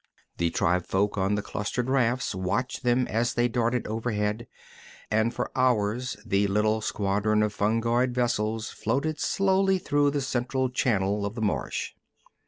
The tribefolk on the clustered rafts watched them as they darted overhead, and for hours the little squadron of fungoid vessels floated slowly through the central channel of the marsh.